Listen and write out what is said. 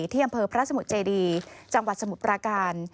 ที่อำเภอพระสมุทรเจดีจังหวัดสมุทรปราการ